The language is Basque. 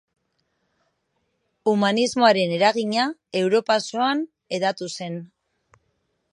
Humanismoaren eragina Europa osoan hedatu zen.